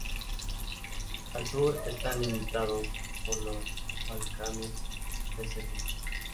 Al sur están limitados por los Balcanes de Serbia.